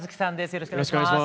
よろしくお願いします。